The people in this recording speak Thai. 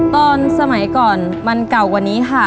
ตอนสมัยก่อนมันเก่ากว่านี้ค่ะ